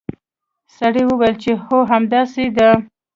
سړي وویل چې هو همداسې ده.